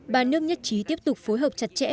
ba nước nhất trí tiếp tục phối hợp chặt chẽ